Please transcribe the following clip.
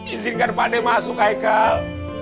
izinkan pak nek masuk hai kal